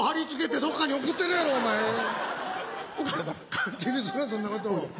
勝手にすなそんなこと。